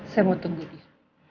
saya mau tunggu dia